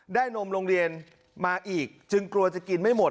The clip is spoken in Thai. นมโรงเรียนมาอีกจึงกลัวจะกินไม่หมด